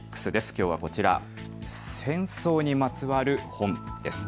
きょうはこちら戦争にまつわる本です。